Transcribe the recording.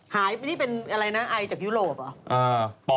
หายนี่เป็นอะไรในไอจากยุโรป